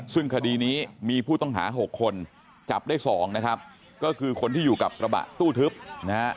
ซึ่งคดีนี้มีผู้ต้องหา๖คนจับได้๒นะครับก็คือคนที่อยู่กับกระบะตู้ทึบนะฮะ